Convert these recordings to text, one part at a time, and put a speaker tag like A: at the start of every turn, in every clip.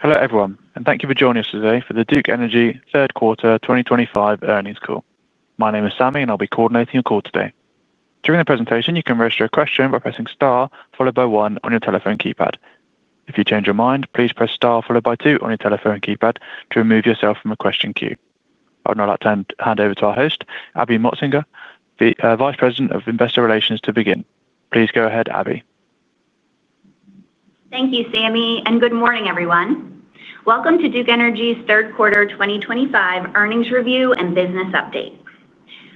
A: Hello everyone, and thank you for joining us today for the Duke Energy third quarter 2025 earnings call. My name is Sammy, and I'll be coordinating your call today. During the presentation, you can register a question by pressing star followed by one on your telephone keypad. If you change your mind, please press star followed by two on your telephone keypad to remove yourself from a question queue. I'd now like to hand over to our host, Abby Motsinger, Vice President of Investor Relations, to begin. Please go ahead, Abby.
B: Thank you, Sammy, and good morning everyone. Welcome to Duke Energy's third quarter 2025 earnings review and business update.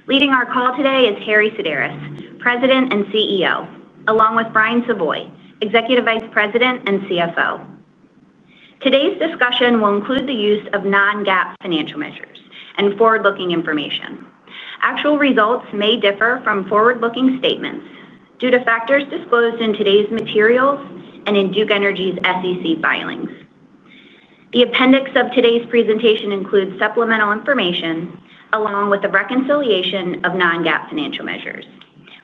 B: Leading our call today is Harry Sideris, President and CEO, along with Brian Savoy, Executive Vice President and CFO. Today's discussion will include the use of non-GAAP financial measures and forward-looking information. Actual results may differ from forward-looking statements due to factors disclosed in today's materials and in Duke Energy's SEC filings. The appendix of today's presentation includes supplemental information along with the reconciliation of non-GAAP financial measures.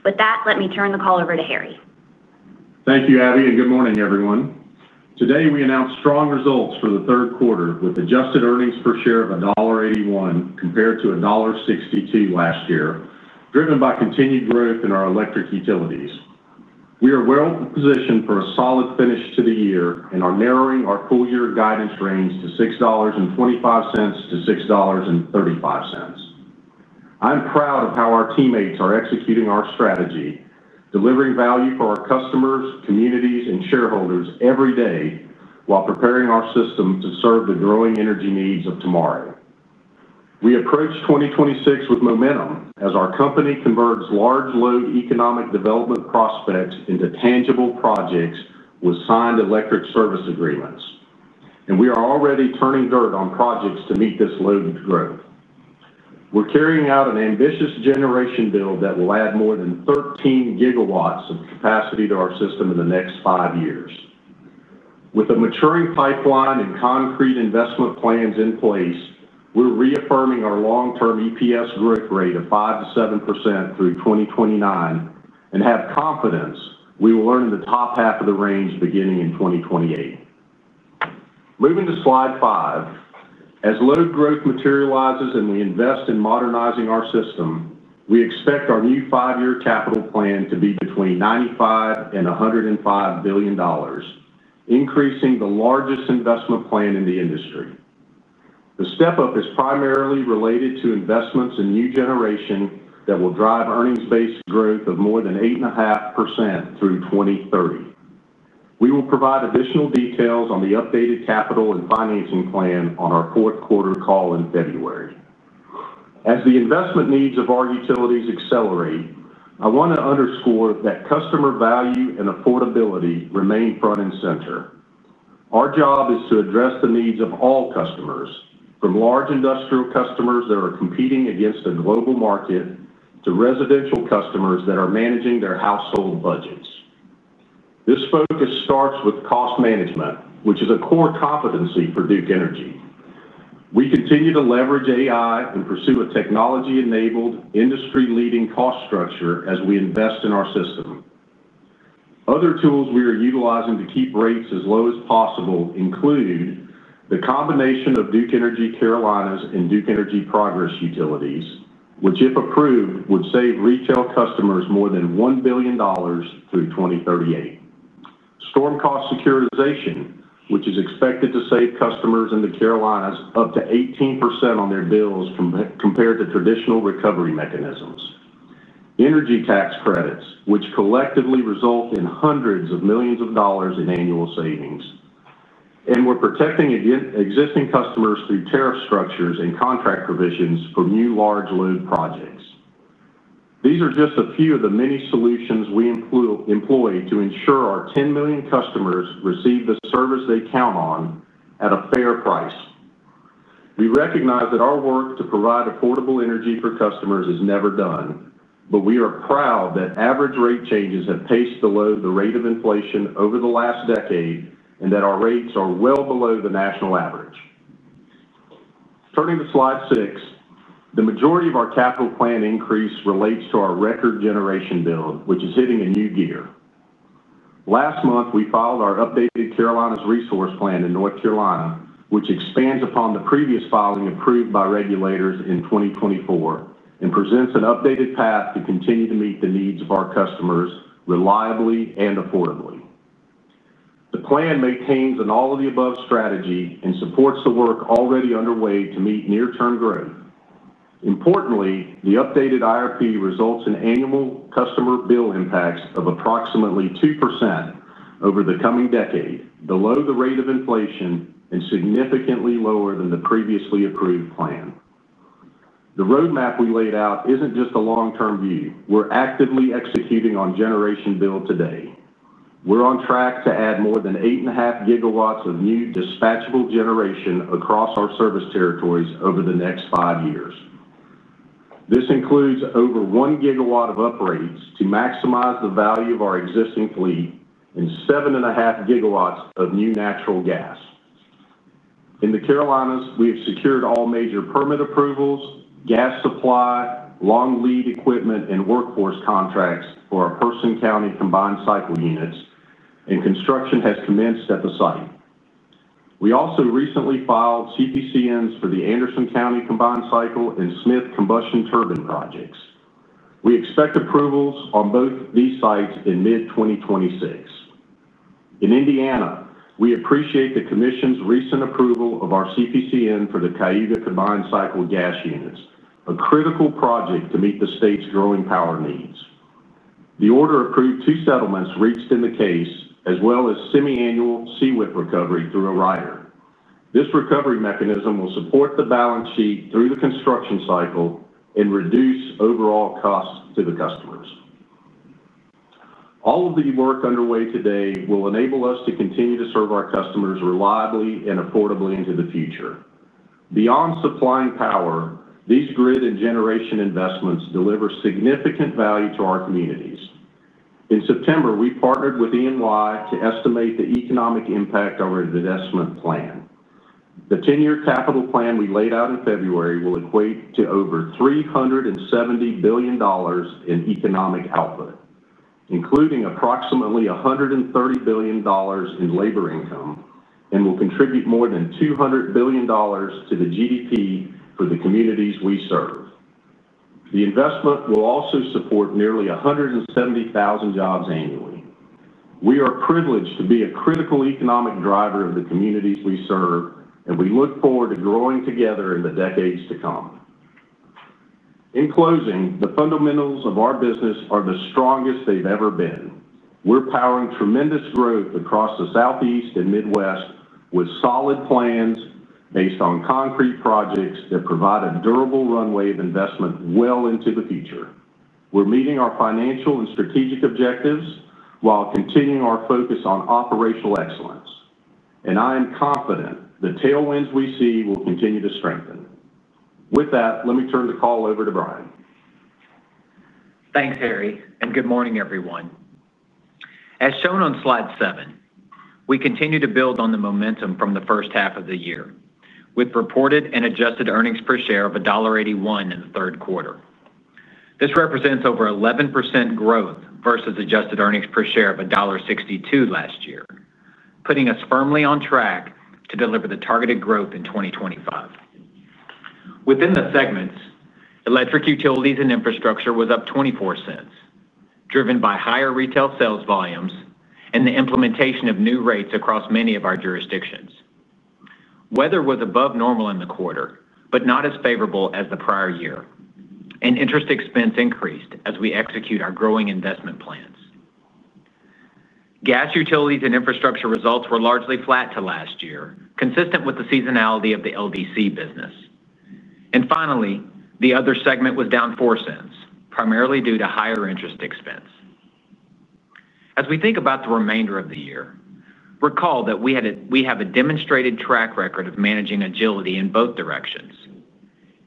B: With that, let me turn the call over to Harry.
C: Thank you, Abby, and good morning everyone. Today we announce strong results for the third quarter with adjusted earnings per share of $1.81 compared to $1.62 last year, driven by continued growth in our electric utilities. We are well positioned for a solid finish to the year and are narrowing our full-year guidance range to $6.25-$6.35. I'm proud of how our teammates are executing our strategy, delivering value for our customers, communities, and shareholders every day while preparing our system to serve the growing energy needs of tomorrow. We approach 2026 with momentum as our company converts large load economic development prospects into tangible projects with signed electric service agreements, and we are already turning dirt on projects to meet this load growth. We're carrying out an ambitious generation build that will add more than 13 GW of capacity to our system in the next five years. With a maturing pipeline and concrete investment plans in place, we're reaffirming our long-term EPS growth rate of 5%-7% through 2029 and have confidence we will earn in the top half of the range beginning in 2028. Moving to slide five, as load growth materializes and we invest in modernizing our system, we expect our new five-year capital plan to be between $95 billion and $105 billion, increasing the largest investment plan in the industry. The step-up is primarily related to investments in new generation that will drive earnings-based growth of more than 8.5% through 2030. We will provide additional details on the updated capital and financing plan on our fourth quarter call in February. As the investment needs of our utilities accelerate, I want to underscore that customer value and affordability remain front and center. Our job is to address the needs of all customers, from large industrial customers that are competing against a global market to residential customers that are managing their household budgets. This focus starts with cost management, which is a core competency for Duke Energy. We continue to leverage AI and pursue a technology-enabled, industry-leading cost structure as we invest in our system. Other tools we are utilizing to keep rates as low as possible include the combination of Duke Energy Carolinas and Duke Energy Progress utilities, which, if approved, would save retail customers more than $1 billion through 2038. Storm cost securitization, which is expected to save customers in the Carolinas up to 18% on their bills compared to traditional recovery mechanisms. Energy tax credits, which collectively result in hundreds of millions of dollars in annual savings. We're protecting existing customers through tariff structures and contract provisions for new large load projects. These are just a few of the many solutions we employ to ensure our 10 million customers receive the service they count on at a fair price. We recognize that our work to provide affordable energy for customers is never done, but we are proud that average rate changes have paced below the rate of inflation over the last decade and that our rates are well below the national average. Turning to slide six, the majority of our capital plan increase relates to our record generation build, which is hitting a new gear. Last month, we filed our updated Carolinas resource plan in North Carolina, which expands upon the previous filing approved by regulators in 2024 and presents an updated path to continue to meet the needs of our customers reliably and affordably. The plan maintains an all-of-the-above strategy and supports the work already underway to meet near-term growth. Importantly, the updated IRP results in annual customer bill impacts of approximately 2% over the coming decade, below the rate of inflation and significantly lower than the previously approved plan. The roadmap we laid out isn't just a long-term view. We're actively executing on generation build today. We're on track to add more than 8.5 GW of new dispatchable generation across our service territories over the next five years. This includes over 1 GW of uprates to maximize the value of our existing fleet and 7.5 GW of new natural gas. In the Carolinas, we have secured all major permit approvals, gas supply, long lead equipment, and workforce contracts for our Person County Combined Cycle units, and construction has commenced at the site. We also recently filed CPCNs for the Anderson County Combined Cycle and Smith Combustion Turbine projects. We expect approvals on both these sites in mid-2026. In Indiana, we appreciate the commission's recent approval of our CPCN for the Cayuga Combined Cycle gas units, a critical project to meet the state's growing power needs. The order approved two settlements reached in the case, as well as semi-annual fuel recovery through a rider. This recovery mechanism will support the balance sheet through the construction cycle and reduce overall costs to the customers. All of the work underway today will enable us to continue to serve our customers reliably and affordably into the future. Beyond supplying power, these grid and generation investments deliver significant value to our communities. In September, we partnered with EY to estimate the economic impact of our investment plan. The 10-year capital plan we laid out in February will equate to over $370 billion in economic output, including approximately $130 billion in labor income, and will contribute more than $200 billion to the GDP for the communities we serve. The investment will also support nearly 170,000 jobs annually. We are privileged to be a critical economic driver of the communities we serve, and we look forward to growing together in the decades to come. In closing, the fundamentals of our business are the strongest they've ever been. We're powering tremendous growth across the Southeast and Midwest with solid plans based on concrete projects that provide a durable runway of investment well into the future. We're meeting our financial and strategic objectives while continuing our focus on operational excellence, and I am confident the tailwinds we see will continue to strengthen. With that, let me turn the call over to Brian.
D: Thanks, Harry, and good morning everyone. As shown on slide seven, we continue to build on the momentum from the first half of the year with reported and adjusted earnings per share of $1.81 in the third quarter. This represents over 11% growth versus adjusted earnings per share of $1.62 last year, putting us firmly on track to deliver the targeted growth in 2025. Within the segments, electric utilities and infrastructure was up $0.24, driven by higher retail sales volumes and the implementation of new rates across many of our jurisdictions. Weather was above normal in the quarter, but not as favorable as the prior year. Interest expense increased as we execute our growing investment plans. Gas utilities and infrastructure results were largely flat to last year, consistent with the seasonality of the LDC business. Finally, the other segment was down $0.04, primarily due to higher interest expense. As we think about the remainder of the year, recall that we have a demonstrated track record of managing agility in both directions.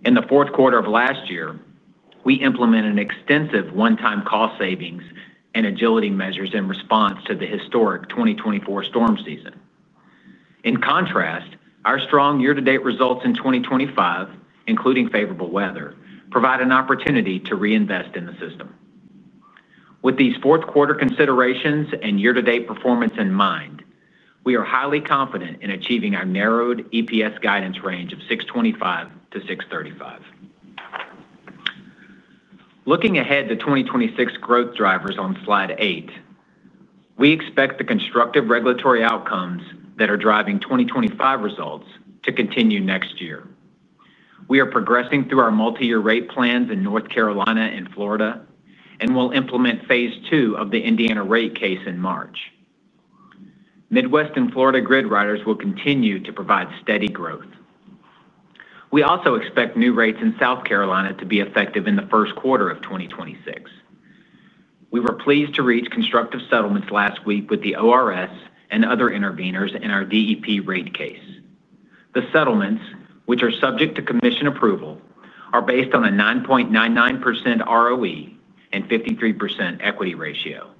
D: In the fourth quarter of last year, we implemented extensive one-time cost savings and agility measures in response to the historic 2024 storm season. In contrast, our strong year-to-date results in 2025, including favorable weather, provide an opportunity to reinvest in the system. With these fourth quarter considerations and year-to-date performance in mind, we are highly confident in achieving our narrowed EPS guidance range of $6.25-$6.35. Looking ahead to 2026 growth drivers on slide eight, we expect the constructive regulatory outcomes that are driving 2025 results to continue next year. We are progressing through our multi-year rate plans in North Carolina and Florida, and we'll implement phase two of the Indiana rate case in March. Midwest and Florida grid riders will continue to provide steady growth. We also expect new rates in South Carolina to be effective in the first quarter of 2026. We were pleased to reach constructive settlements last week with the ORS and other interveners in our DEP rate case. The settlements, which are subject to commission approval, are based on a 9.99% ROE and 53% equity ratio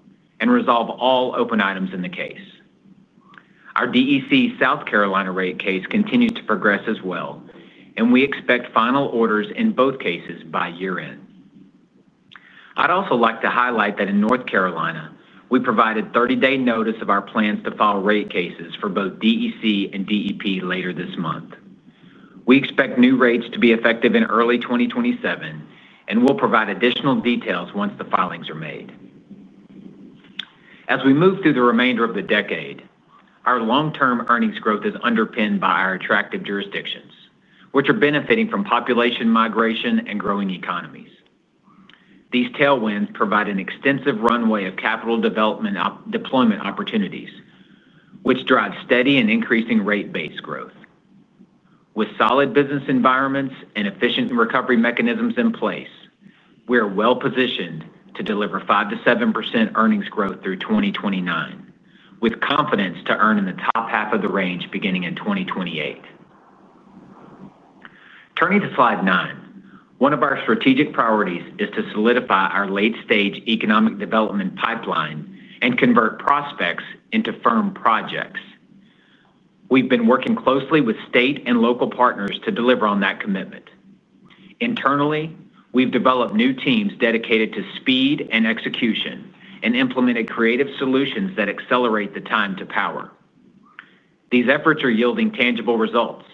D: and resolve all open items in the case. Our DEC South Carolina rate case continues to progress as well, and we expect final orders in both cases by year-end. I'd also like to highlight that in North Carolina, we provided 30-day notice of our plans to file rate cases for both DEC and DEP later this month. We expect new rates to be effective in early 2027, and we'll provide additional details once the filings are made. As we move through the remainder of the decade, our long-term earnings growth is underpinned by our attractive jurisdictions, which are benefiting from population migration and growing economies. These tailwinds provide an extensive runway of capital development deployment opportunities, which drive steady and increasing rate-based growth. With solid business environments and efficient recovery mechanisms in place, we are well positioned to deliver 5%-7% earnings growth through 2029, with confidence to earn in the top half of the range beginning in 2028. Turning to slide nine, one of our strategic priorities is to solidify our late-stage economic development pipeline and convert prospects into firm projects. We've been working closely with state and local partners to deliver on that commitment. Internally, we've developed new teams dedicated to speed and execution and implemented creative solutions that accelerate the time to power. These efforts are yielding tangible results,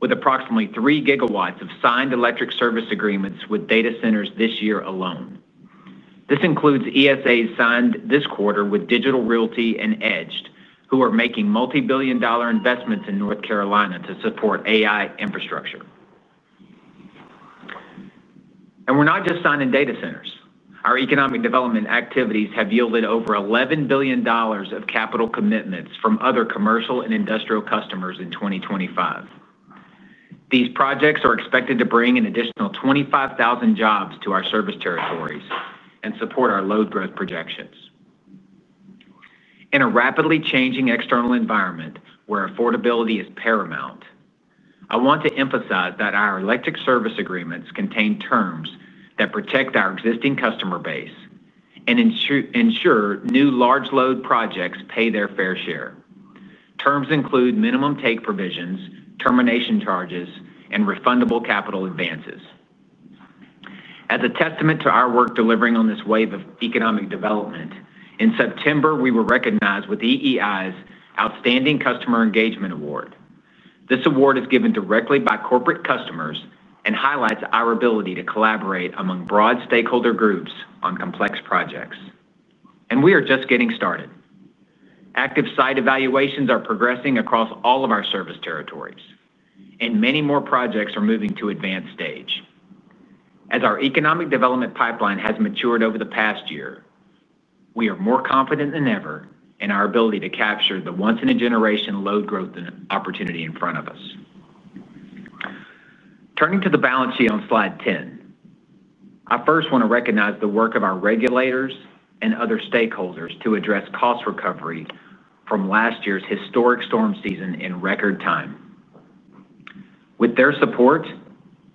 D: with approximately 3 GW of signed electric service agreements with data centers this year alone. This includes ESAs signed this quarter with Digital Realty and Edged, who are making multi-billion dollar investments in North Carolina to support AI infrastructure. We are not just signing data centers. Our economic development activities have yielded over $11 billion of capital commitments from other commercial and industrial customers in 2025. These projects are expected to bring an additional 25,000 jobs to our service territories and support our load growth projections. In a rapidly changing external environment where affordability is paramount, I want to emphasize that our electric service agreements contain terms that protect our existing customer base and ensure new large load projects pay their fair share. Terms include minimum take provisions, termination charges, and refundable capital advances. As a testament to our work delivering on this wave of economic development, in September, we were recognized with EEI's Outstanding Customer Engagement Award. This award is given directly by corporate customers and highlights our ability to collaborate among broad stakeholder groups on complex projects. We are just getting started. Active site evaluations are progressing across all of our service territories, and many more projects are moving to advanced stage. As our economic development pipeline has matured over the past year, we are more confident than ever in our ability to capture the once-in-a-generation load growth opportunity in front of us. Turning to the balance sheet on Slide 10, I first want to recognize the work of our regulators and other stakeholders to address cost recovery from last year's historic storm season in record time. With their support,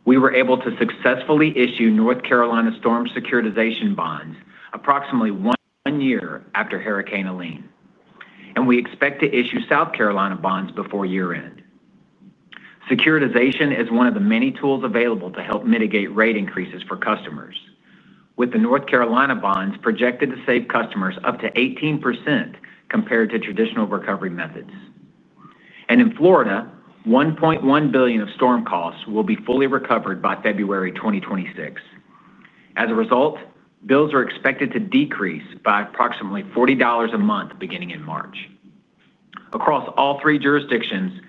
D: we were able to successfully issue North Carolina storm securitization bonds approximately one year after Hurricane Elene, and we expect to issue South Carolina bonds before year-end. Securitization is one of the many tools available to help mitigate rate increases for customers, with the North Carolina bonds projected to save customers up to 18% compared to traditional recovery methods. In Florida, $1.1 billion of storm costs will be fully recovered by February 2026. As a result, bills are expected to decrease by approximately $40 a month beginning in March. Across all three jurisdictions,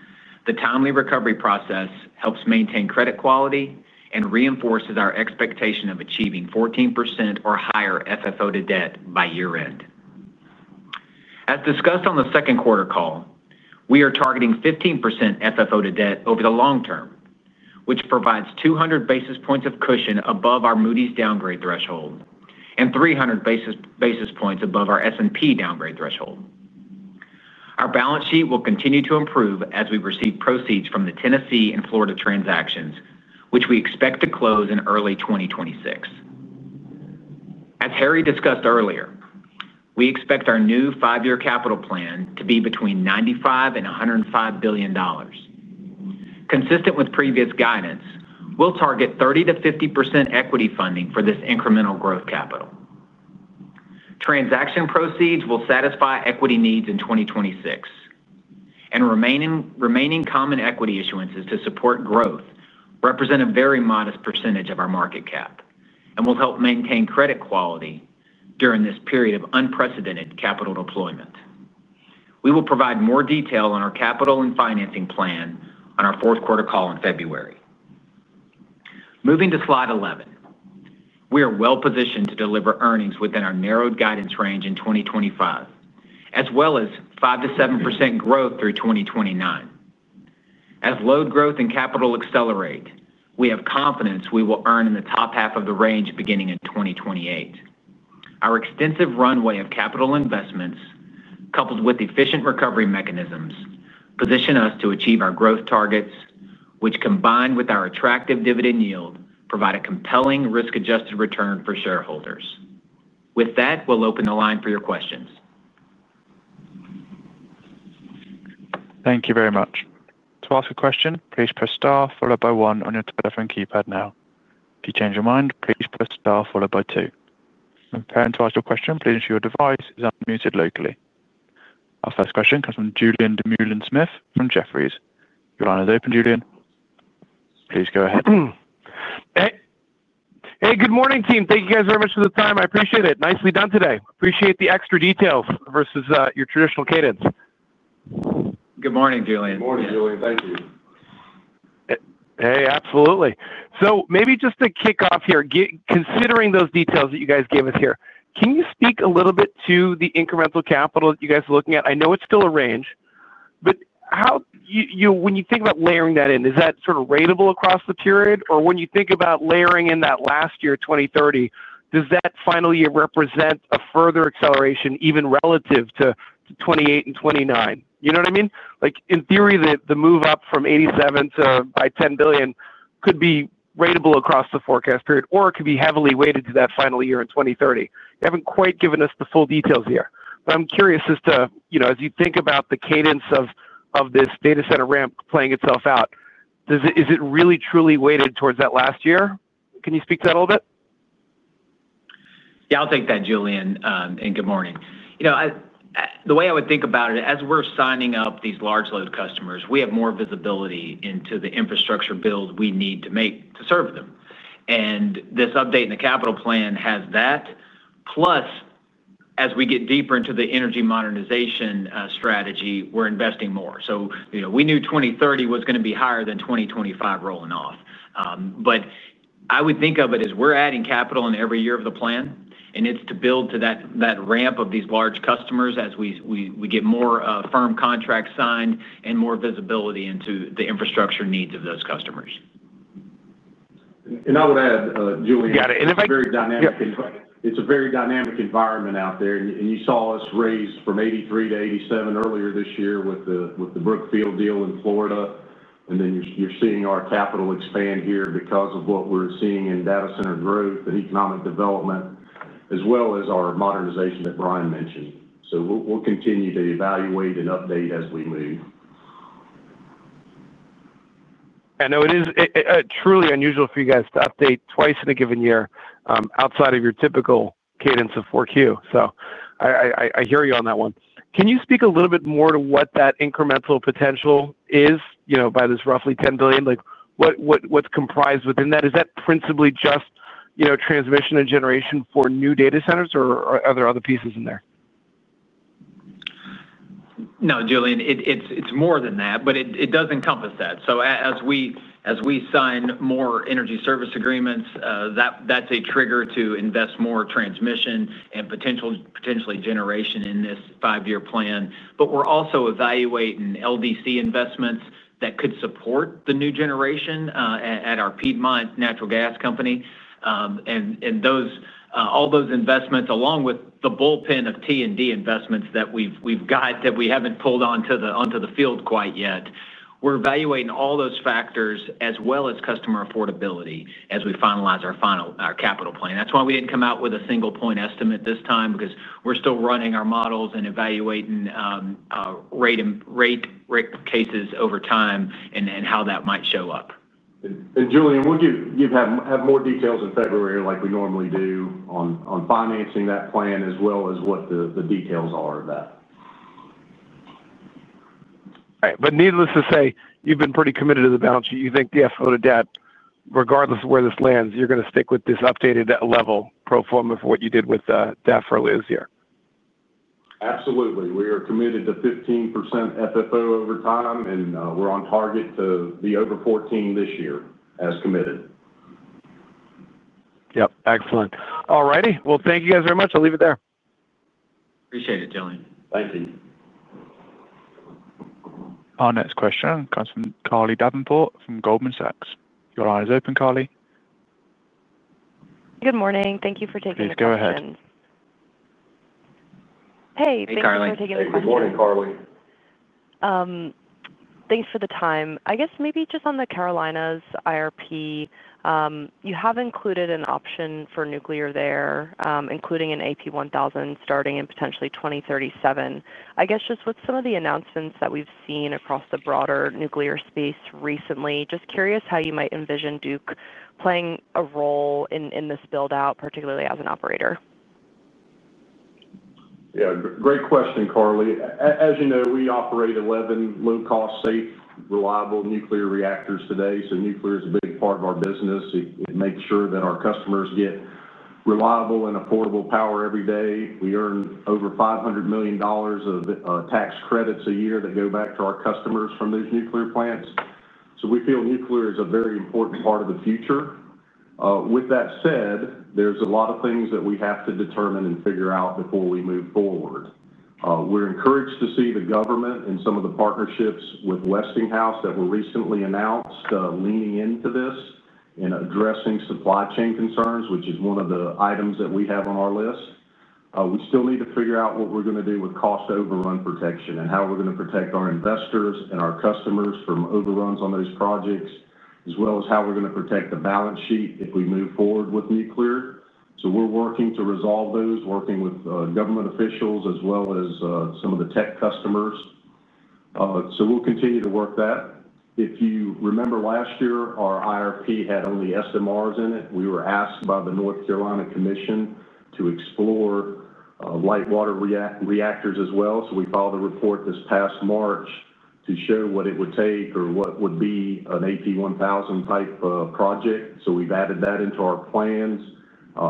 D: the timely recovery process helps maintain credit quality and reinforces our expectation of achieving 14% or higher FFO to debt by year-end. As discussed on the second quarter call, we are targeting 15% FFO to debt over the long term, which provides 200 basis points of cushion above our Moody's downgrade threshold and 300 basis points above our S&P downgrade threshold. Our balance sheet will continue to improve as we receive proceeds from the Tennessee and Florida transactions, which we expect to close in early 2026. As Harry discussed earlier, we expect our new five-year capital plan to be between $95 billion and $105 billion. Consistent with previous guidance, we'll target 30%-50% equity funding for this incremental growth capital. Transaction proceeds will satisfy equity needs in 2026, and remaining common equity issuances to support growth represent a very modest percentage of our market cap and will help maintain credit quality during this period of unprecedented capital deployment. We will provide more detail on our capital and financing plan on our fourth quarter call in February. Moving to Slide 11, we are well positioned to deliver earnings within our narrowed guidance range in 2025, as well as 5%-7% growth through 2029. As load growth and capital accelerate, we have confidence we will earn in the top half of the range beginning in 2028. Our extensive runway of capital investments, coupled with efficient recovery mechanisms, position us to achieve our growth targets, which combined with our attractive dividend yield provide a compelling risk-adjusted return for shareholders. With that, we'll open the line for your questions.
A: Thank you very much. To ask a question, please press star followed by one on your telephone keypad now. If you change your mind, please press star followed by two. To ask your question, please ensure your device is unmuted locally. Our first question comes from Julien Dumoulin-Smith from Jefferies. Your line is open, Julien. Please go ahead.
E: Hey. Hey, good morning, team. Thank you guys very much for the time. I appreciate it. Nicely done today. Appreciate the extra details versus your traditional cadence.
D: Good morning, Julian.
C: Good morning, Julian. Thank you.
E: Hey, absolutely. Maybe just to kick off here, considering those details that you guys gave us here, can you speak a little bit to the incremental capital that you guys are looking at? I know it's still a range, but when you think about layering that in, is that sort of ratable across the period? Or when you think about layering in that last year, 2030, does that final year represent a further acceleration even relative to 2028 and 2029? You know what I mean? In theory, the move up from $87 billion to $97 billion could be ratable across the forecast period, or it could be heavily weighted to that final year in 2030. You haven't quite given us the full details here, but I'm curious as to, as you think about the cadence of this data center ramp playing itself out, is it really truly weighted towards that last year? Can you speak to that a little bit?
D: Yeah, I'll take that, Julian, and good morning. The way I would think about it, as we're signing up these large load customers, we have more visibility into the infrastructure build we need to make to serve them. This update in the capital plan has that. Plus, as we get deeper into the energy modernization strategy, we're investing more. We knew 2030 was going to be higher than 2025 rolling off. I would think of it as we're adding capital in every year of the plan, and it's to build to that ramp of these large customers as we get more firm contracts signed and more visibility into the infrastructure needs of those customers.
C: I would add, Julian. It's a very dynamic environment out there. You saw us raise from $83 billion to $87 billion earlier this year with the Brookfield deal in Florida. You're seeing our capital expand here because of what we're seeing in data center growth and economic development, as well as our modernization that Brian mentioned. We'll continue to evaluate and update as we move.
E: I know it is truly unusual for you guys to update twice in a given year outside of your typical cadence of 4Q. I hear you on that one. Can you speak a little bit more to what that incremental potential is by this roughly $10 billion? What's comprised within that? Is that principally just transmission and generation for new data centers, or are there other pieces in there?
D: No, Julian, it's more than that, but it does encompass that. As we sign more energy service agreements, that's a trigger to invest more transmission and potentially generation in this five-year plan. We are also evaluating LDC investments that could support the new generation at our Piedmont Natural Gas Company. All those investments, along with the bullpen of T&D investments that we have that we have not pulled onto the field quite yet, we are evaluating all those factors as well as customer affordability as we finalize our capital plan. That is why we did not come out with a single-point estimate this time, because we are still running our models and evaluating rate cases over time and how that might show up.
C: Julian, will you have more details in February like we normally do on financing that plan, as well as what the details are of that?
E: All right. Needless to say, you've been pretty committed to the balance sheet. You think the FFO to debt, regardless of where this lands, you're going to stick with this updated level pro forma for what you did with the FFO this year?
C: Absolutely. We are committed to 15% FFO over time. We are on target to be over 14% this year as committed.
E: Yep. Excellent. All righty. Thank you guys very much. I'll leave it there.
D: Appreciate it, Julian.
C: Thank you.
A: Our next question comes from Carly Davenport from Goldman Sachs. Your line is open, Carly.
F: Good morning. Thank you for taking the time.
A: Please go ahead.
F: Hey. Thanks for taking the time.
C: Hey, Carly.
D: Good morning, Carly.
F: Thanks for the time. I guess maybe just on the Carolina's IRP, you have included an option for nuclear there, including an AP1000 starting in potentially 2037. I guess just with some of the announcements that we've seen across the broader nuclear space recently, just curious how you might envision Duke playing a role in this build-out, particularly as an operator.
C: Yeah. Great question, Carly. As you know, we operate 11 low-cost, safe, reliable nuclear reactors today. Nuclear is a big part of our business. It makes sure that our customers get reliable and affordable power every day. We earn over $500 million of tax credits a year that go back to our customers from those nuclear plants. We feel nuclear is a very important part of the future. With that said, there are a lot of things that we have to determine and figure out before we move forward. We are encouraged to see the government and some of the partnerships with Westinghouse that were recently announced leaning into this and addressing supply chain concerns, which is one of the items that we have on our list. We still need to figure out what we're going to do with cost overrun protection and how we're going to protect our investors and our customers from overruns on those projects, as well as how we're going to protect the balance sheet if we move forward with nuclear. We're working to resolve those, working with government officials as well as some of the tech customers. We'll continue to work that. If you remember last year, our IRP had only SMRs in it. We were asked by the North Carolina Commission to explore light water reactors as well. We filed a report this past March to show what it would take or what would be an AP1000 type project. We've added that into our plans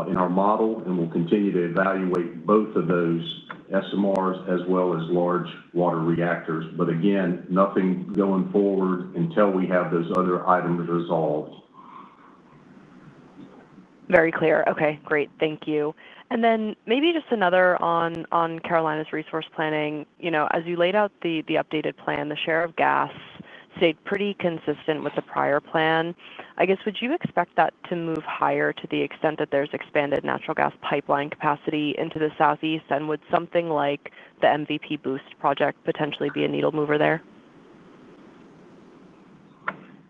C: in our model, and we'll continue to evaluate both of those, SMRs as well as large water reactors. Again, nothing going forward until we have those other items resolved.
F: Very clear. Okay. Great. Thank you. Maybe just another on Carolinas resource planning. As you laid out the updated plan, the share of gas stayed pretty consistent with the prior plan. I guess, would you expect that to move higher to the extent that there is expanded natural gas pipeline capacity into the Southeast? Would something like the MVP Boost project potentially be a needle mover there?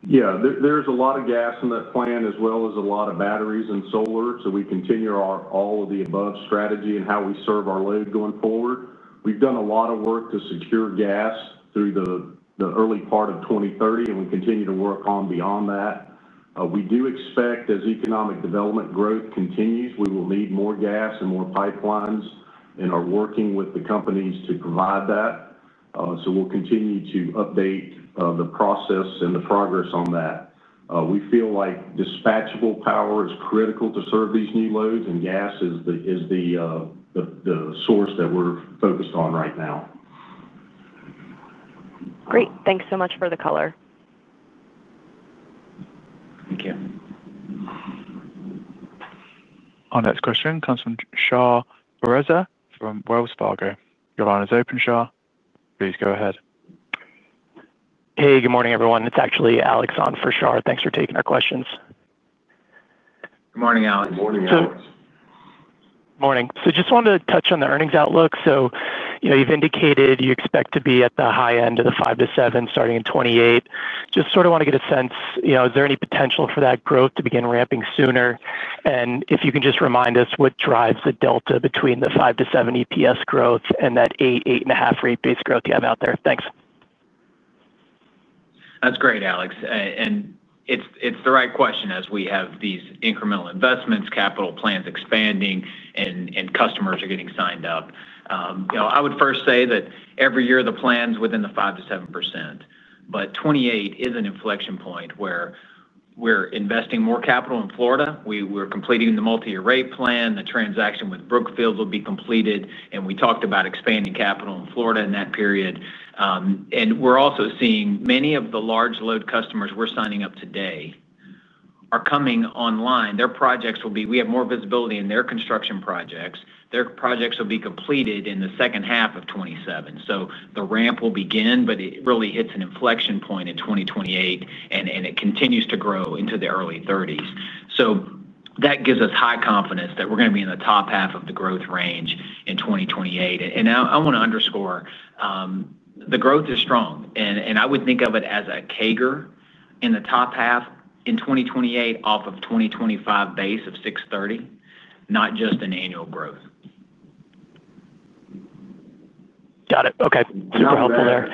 C: Yeah. There's a lot of gas in that plan, as well as a lot of batteries and solar. We continue all of the above strategy in how we serve our load going forward. We've done a lot of work to secure gas through the early part of 2030, and we continue to work on beyond that. We do expect as economic development growth continues, we will need more gas and more pipelines and are working with the companies to provide that. We will continue to update the process and the progress on that. We feel like dispatchable power is critical to serve these new loads, and gas is the source that we're focused on right now.
F: Great. Thanks so much for the color.
D: Thank you.
A: Our next question comes from Shah Bareza from Wells Fargo. Your line is open, Shah. Please go ahead. Hey, good morning, everyone. It's actually Alex on for Shah. Thanks for taking our questions.
D: Good morning, Alex.
C: Good morning, Alex. Morning. Just wanted to touch on the earnings outlook. You've indicated you expect to be at the high end of the 5% to 7% starting in 2028. Just want to get a sense, is there any potential for that growth to begin ramping sooner? If you can just remind us what drives the delta between the 5% to 7% EPS growth and that 8%, 8.5% rate base growth you have out there. Thanks.
D: That's great, Alex. It's the right question as we have these incremental investments, capital plans expanding, and customers are getting signed up. I would first say that every year the plan's within the 5%-7%. '2028 is an inflection point where we're investing more capital in Florida. We're completing the multi-year rate plan. The transaction with Brookfield will be completed. We talked about expanding capital in Florida in that period. We're also seeing many of the large load customers we're signing up today are coming online. Their projects will be, we have more visibility in their construction projects. Their projects will be completed in the second half of 2027. The ramp will begin, but it really hits an inflection point in 2028, and it continues to grow into the early 2030s. That gives us high confidence that we're going to be in the top half of the growth range in 2028. I want to underscore, the growth is strong. I would think of it as a CAGR in the top half in 2028 off of 2025 base of $630, not just an annual growth. Got it. Okay. Super helpful there.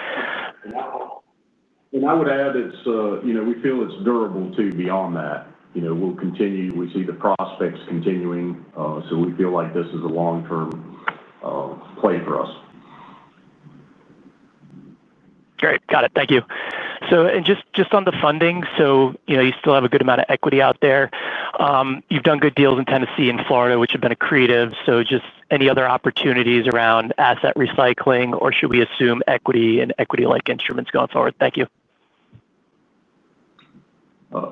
C: We feel it's durable too beyond that. We'll continue. We see the prospects continuing. We feel like this is a long-term play for us. Great. Got it. Thank you. Just on the funding, you still have a good amount of equity out there. You've done good deals in Tennessee and Florida, which have been accretive. Just any other opportunities around asset recycling, or should we assume equity and equity-like instruments going forward? Thank you.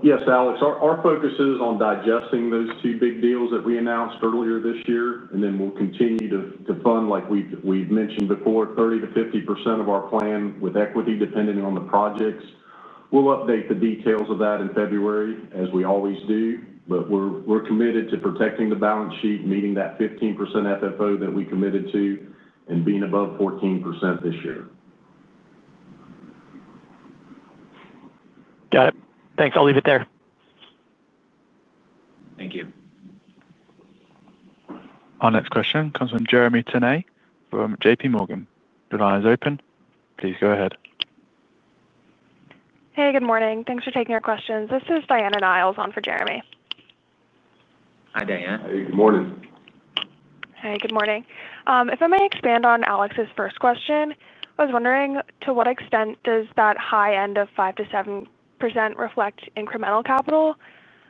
C: Yes, Alex. Our focus is on digesting those two big deals that we announced earlier this year, and then we'll continue to fund, like we've mentioned before, 30%-50% of our plan with equity depending on the projects. We'll update the details of that in February, as we always do. We are committed to protecting the balance sheet, meeting that 15% FFO that we committed to, and being above 14% this year. Got it. Thanks. I'll leave it there.
D: Thank you.
A: Our next question comes from Jeremy Tonet from JPMorgan. Your line is open. Please go ahead.
G: Hey, good morning. Thanks for taking our questions. This is Diana Niles on for Jeremy.
D: Hi, Diana.
C: Hey, good morning.
G: Hi, good morning. If I may expand on Alex's first question, I was wondering to what extent does that high end of 5%-7% reflect incremental capital?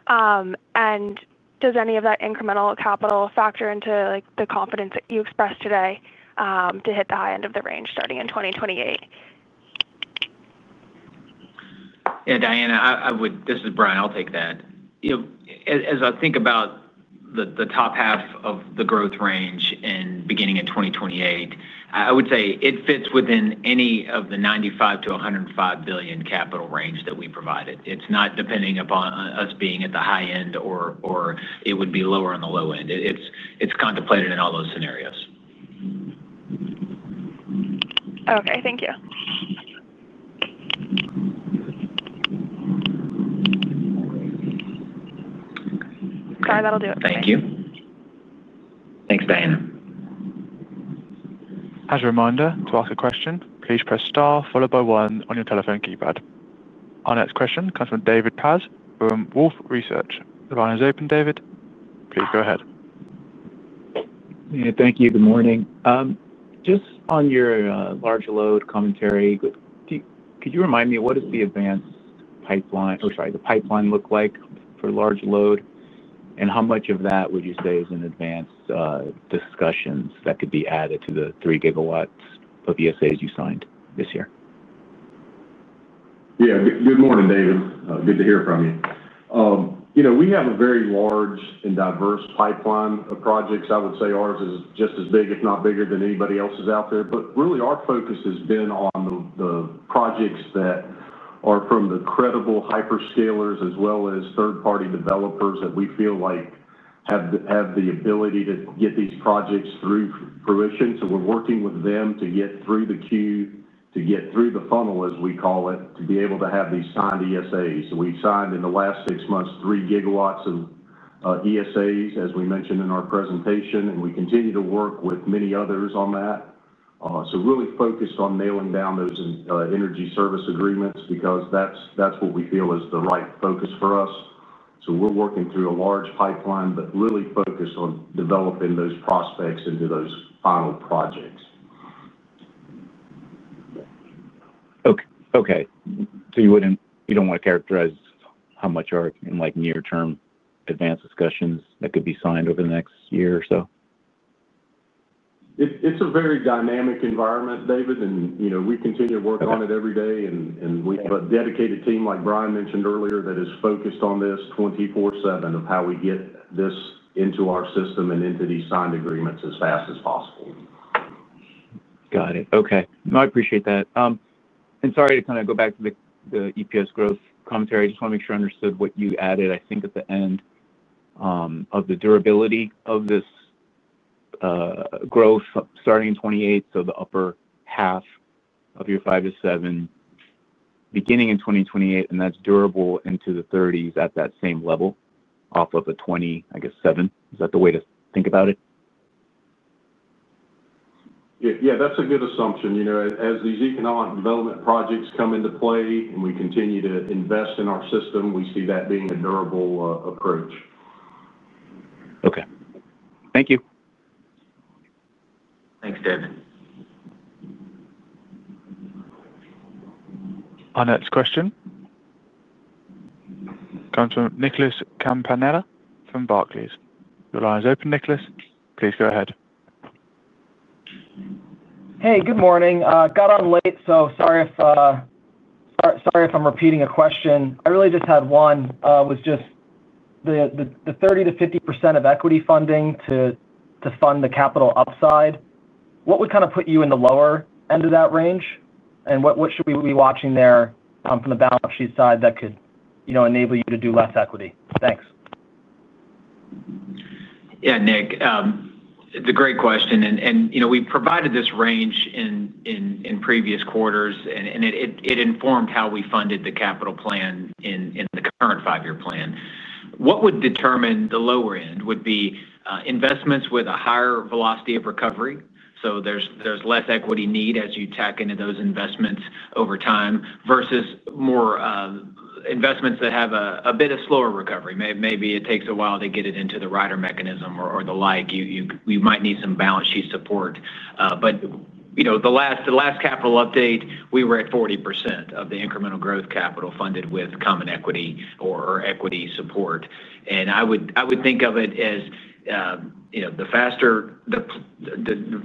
G: And does any of that incremental capital factor into the confidence that you expressed today to hit the high end of the range starting in 2028?
D: Yeah, Diana, this is Brian. I'll take that. As I think about the top half of the growth range and beginning in 2028, I would say it fits within any of the $95 billion-$105 billion capital range that we provided. It's not depending upon us being at the high end, or it would be lower on the low end. It's contemplated in all those scenarios.
G: Okay. Thank you. All right. That'll do it for me.
D: Thank you. Thanks, Diana.
A: Has Ramonda to ask a question. Please press star, followed by one on your telephone keypad. Our next question comes from David Paz from Wolfe Research. The line is open, David. Please go ahead.
H: Thank you. Good morning. Just on your large load commentary, could you remind me what does the advanced pipeline or, sorry, the pipeline look like for large load? And how much of that would you say is in advanced discussions that could be added to the 3 GW of ESAs you signed this year?
C: Yeah. Good morning, David. Good to hear from you. We have a very large and diverse pipeline of projects. I would say ours is just as big, if not bigger, than anybody else's out there. Really, our focus has been on the projects that are from the credible hyperscalers as well as third-party developers that we feel like have the ability to get these projects through fruition. We are working with them to get through the queue, to get through the funnel, as we call it, to be able to have these signed ESAs. We have signed in the last six months 3 GW of ESAs, as we mentioned in our presentation. We continue to work with many others on that. Really focused on nailing down those energy service agreements because that is what we feel is the right focus for us. We're working through a large pipeline, but really focused on developing those prospects into those final projects.
H: Okay. So you do not want to characterize how much are in near-term advanced discussions that could be signed over the next year or so?
C: It's a very dynamic environment, David. We continue to work on it every day. We have a dedicated team, like Brian mentioned earlier, that is focused on this 24/7, on how we get this into our system and into these signed agreements as fast as possible.
H: Got it. Okay. No, I appreciate that. Sorry to kind of go back to the EPS growth commentary. I just want to make sure I understood what you added, I think, at the end of the durability of this growth starting in 2028. The upper half of your 5-7 beginning in 2028, and that's durable into the 2030s at that same level off of a 2027. Is that the way to think about it?
C: Yeah. That's a good assumption. As these economic development projects come into play and we continue to invest in our system, we see that being a durable approach.
H: Okay. Thank you.
D: Thanks, David.
A: Our next question comes from Nicholas Campanella from Barclays. Your line is open, Nicholas. Please go ahead.
I: Hey, good morning. Got on late, so sorry if I'm repeating a question. I really just had one. It was just the 30%-50% of equity funding to fund the capital upside. What would kind of put you in the lower end of that range? What should we be watching there from the balance sheet side that could enable you to do less equity? Thanks.
D: Yeah, Nick. It's a great question. We provided this range in previous quarters, and it informed how we funded the capital plan in the current five-year plan. What would determine the lower end would be investments with a higher velocity of recovery. There's less equity need as you tack into those investments over time versus more investments that have a bit of slower recovery. Maybe it takes a while to get it into the Rider mechanism or the like. You might need some balance sheet support. At the last capital update, we were at 40% of the incremental growth capital funded with common equity or equity support. I would think of it as the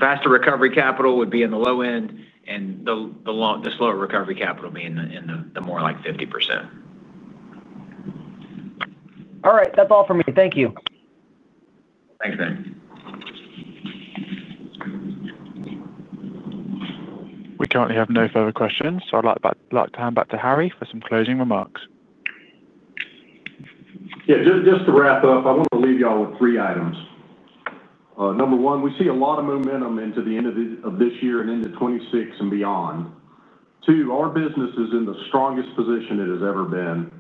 D: faster recovery capital would be in the low end and the slower recovery capital being in the more like 50%.
I: All right. That's all for me. Thank you.
D: Thanks, man.
A: We currently have no further questions. I'd like to hand back to Harry for some closing remarks.
C: Yeah. Just to wrap up, I want to leave y'all with three items. Number one, we see a lot of momentum into the end of this year and into 2026 and beyond. Two, our business is in the strongest position it has ever been.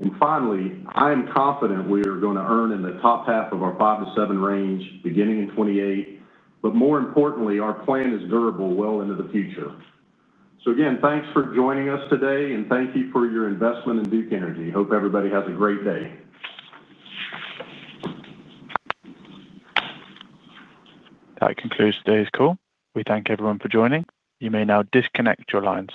C: And finally, I am confident we are going to earn in the top half of our 5-7 range beginning in 2028. But more importantly, our plan is durable well into the future. So again, thanks for joining us today, and thank you for your investment in Duke Energy. Hope everybody has a great day.
A: That concludes today's call. We thank everyone for joining. You may now disconnect your lines.